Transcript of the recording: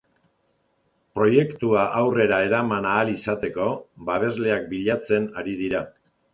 Proiektua aurrera eraman ahal izateko babesleak bilatzen ari dira.